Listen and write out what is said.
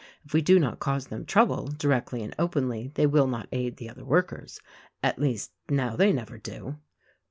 If we do not cause them trouble, directly and openly, they will not aid the other workers. At least, now they never do."